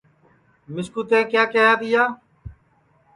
مِسکُو تئیں کیا کیہیا تیا